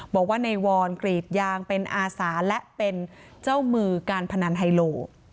บอกว่าในวอนกรีดยางเป็นอาสาและเป็นเจ้ามือการพนันไฮโล